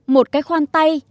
một cái khoan tay